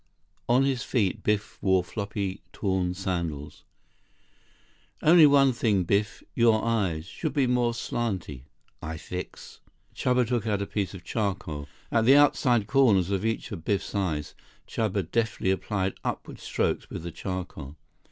On his feet, Biff wore floppy, torn sandals. "Only one thing, Biff. Your eyes. Should be more slanty. I fix." Chuba took out a piece of charcoal. At the outside corners of each of Biff's eyes, Chuba deftly applied upward strokes with the charcoal.